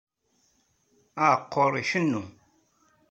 Aqqur icennu.